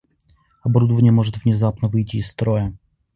Оборудование может внезапно выйти из строя